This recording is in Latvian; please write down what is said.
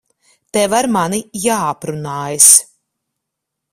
Tev ar mani jāaprunājas.